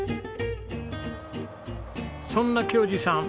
そんな恭嗣さん